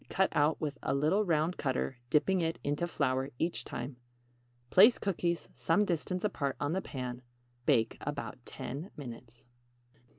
Cut out with a little round cutter, dipping it into flour each time. Place cookies some distance apart on the pan. Bake about 10 minutes.